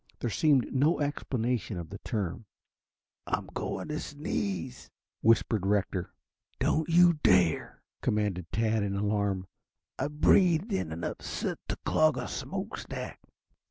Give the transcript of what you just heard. There seemed no explanation of the term. "I'm going to sneeze," whispered Rector. "Don't you dare," commanded Tad in alarm. "I've breathed in enough soot to clog a smoke stack."